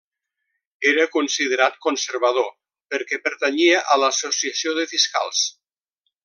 Era considerat conservador perquè pertanyia a l'Associació de Fiscals.